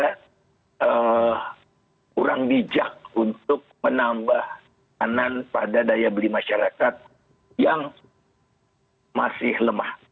kita kurang bijak untuk menambah kanan pada daya beli masyarakat yang masih lemah